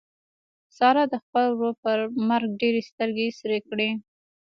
سارا د خپل ورور پر مرګ ډېرې سترګې سرې کړې.